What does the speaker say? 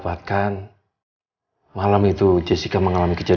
ini bu fotonya